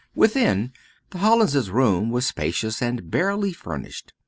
Within, the Hallins' room was spacious and barely furnished.